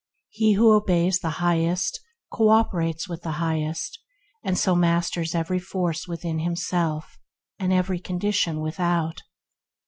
He who obeys the Highest co operates with the Highest, and so masters every force within himself and every condition without.